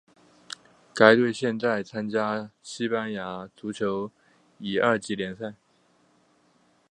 该队现在参加西班牙足球乙二级联赛。